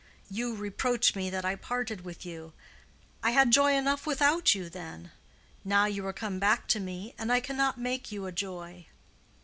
You reproach me that I parted with you. I had joy enough without you then. Now you are come back to me, and I cannot make you a joy.